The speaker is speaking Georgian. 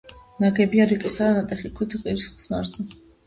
ნაგებია რიყისა და ნატეხი ქვით კირის ხსნარზე.